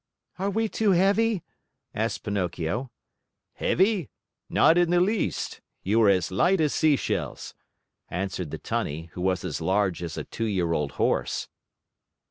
"Are we too heavy?" asked Pinocchio. "Heavy? Not in the least. You are as light as sea shells," answered the Tunny, who was as large as a two year old horse.